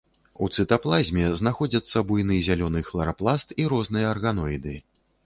У цытаплазме знаходзяцца буйны зялёны хларапласт і розныя арганоіды.